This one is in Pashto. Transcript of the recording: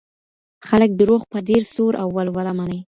خلګ دروغ په ډیر سور او ولوله مني.